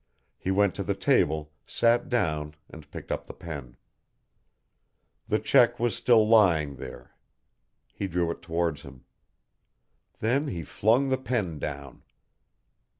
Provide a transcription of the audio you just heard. He went to the table, sat down and picked up the pen. The cheque was still lying there. He drew it towards him. Then he flung the pen down.